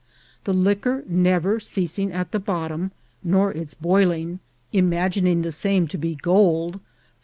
The Liquor never ceas ing at the Bottom, nor its Boiling, imagining the same to be Gold, F.